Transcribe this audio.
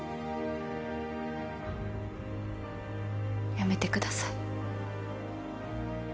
やめてください。